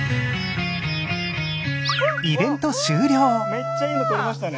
めっちゃいいの撮れましたね。